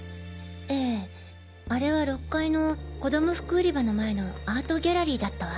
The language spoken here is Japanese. ええあれは６階の子ども服売り場の前のアートギャラリーだったわ。